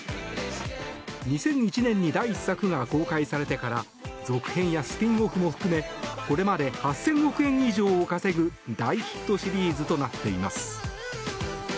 ２００１年に第１作が公開されてから続編やスピンオフも含めこれまで８０００億円以上を稼ぐ大ヒットシリーズとなっています。